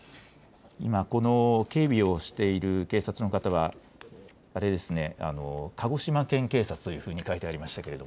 今、この警備をしている警察の方はあれですね、鹿児島県警察というふうに書いてありましたけど。